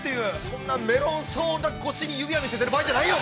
◆そんなメロンソーダ越しに指輪見せてる場合じゃないよ。